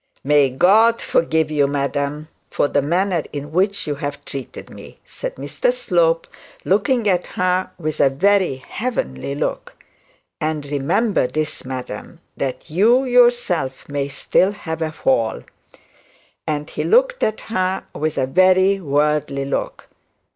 'May God forgive you, madam, for the manner in which you have treated me,' said Mr Slope, looking at her with a very heavenly look; 'and remember this, madam, that you yourself may still have a fall;' and he looked at her with a very worldly look.